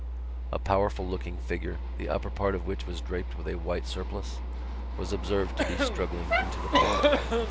A powerful looking figure, the upper part of which was draped with a white surplice, was observed to be struggling up into the pulpit.